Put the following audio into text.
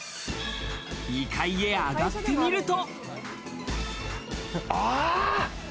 ２階へ上がってみると。